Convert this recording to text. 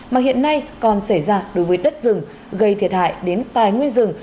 mà hiện nay còn xảy ra đối với đất rừng gây thiệt hại đến tài nguyên rừng